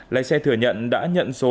lái xe thử nhận đã nhận số hàng